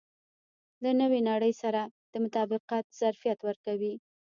له نوې نړۍ سره د مطابقت ظرفیت ورکوي.